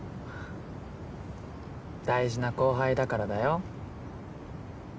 大事な後輩だからだよ。